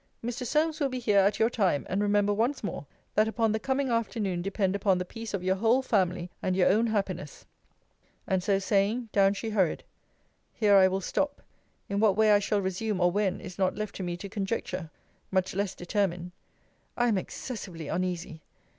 Mr. Solmes will be here at your time: and remember once more, that upon the coming afternoon depend upon the peace of your whole family, and your own happiness. And so saying, down she hurried. Here I will stop. In what way I shall resume, or when, is not left to me to conjecture; much less determine. I am excessively uneasy!